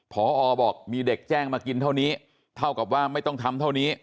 พอบอกมีเด็กแจ้งมากินเท่านี้เท่ากับว่าไม่ต้องทำเท่านี้